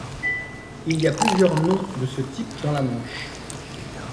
Il y a plusieurs noms de ce type dans la Manche.